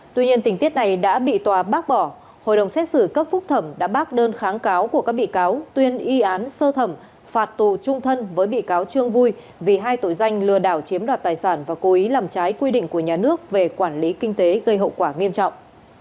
tuy nhiên tình tiết này đã bị tòa bác bỏ hội đồng xét xử cấp phúc thẩm đã bác đơn kháng cáo của các bị cáo tuyên y án sơ thẩm phạt tù trung thân với bị cáo trương vui vì hai tội danh lừa đảo chiếm đoạt tài sản và cố ý làm trái quy định của nhà nước về quản lý kinh tế gây hậu quả nghiêm trọng